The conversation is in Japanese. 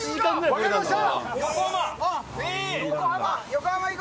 分かりました。